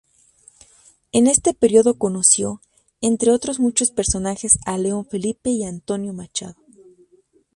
En ese periodo conoció, entre otros muchos personajes a León Felipe y Antonio Machado.